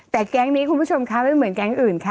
แต่แก๊งนี้คุณผู้ชมคะไม่เหมือนแก๊งอื่นค่ะ